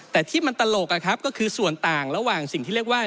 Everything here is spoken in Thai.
แต่ที่มันตลกก็คือส่วนต่างระหว่างสิ่งที่เรียกว่า